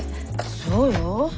そうよ。